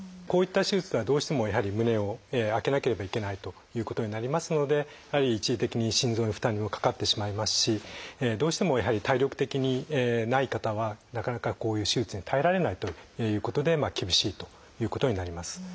こういった手術はどうしてもやはり胸を開けなければいけないということになりますのでやはり一時的に心臓に負担もかかってしまいますしどうしてもやはり体力的にない方はなかなかこういう手術に耐えられないということで厳しいということになります。